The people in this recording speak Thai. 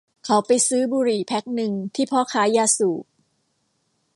เขาไปซื้อบุหรี่แพ็คนึงที่พ่อค้ายาสูบ